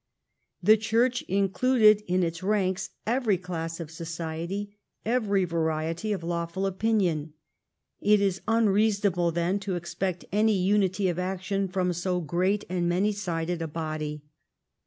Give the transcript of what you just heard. The Church included in its ranks every class of society, every variety of lawful opinion. It is unreasonable then to expect any unity of action from so great and many sided a body.